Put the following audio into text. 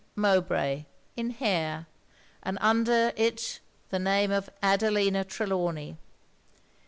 Mowbray_, in hair, and under it the name of Adelina Trelawny.